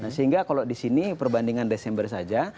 sehingga kalau di sini perbandingan desember saja